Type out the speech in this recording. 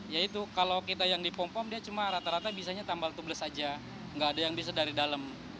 yaitu kalau kita yang dipompom dia cuma rata rata bisanya tambal tugas saja nggak ada yang bisa dari dalam